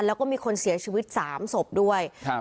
แล้วก็มีคนเสียชีวิตสามศพด้วยครับ